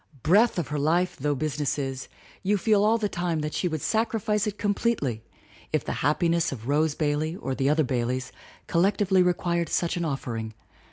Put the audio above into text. Breath of her life though business is, you feel all the time that she would sacrifice it completely if the happiness of Rose Bailey or the other Baileys collec tively required such an offering.